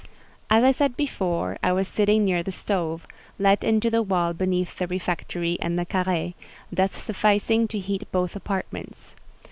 As I said before, I was sitting near the stove, let into the wall beneath the refectory and the carré, and thus sufficing to heat both apartments.